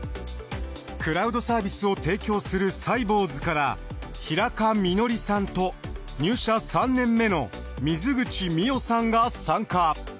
クラウドサービスを提供するサイボウズから平賀実莉さんと入社３年目の水口未央さんが参加。